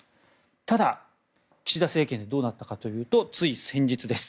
ただ、岸田政権でどうなったかというとつい先日です。